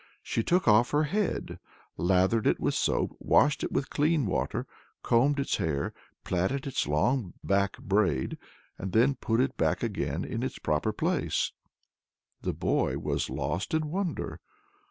She took off her head, lathered it with soap, washed it with clean water, combed its hair, plaited its long back braid, and then put it back again in its proper place. The boy was lost in wonder.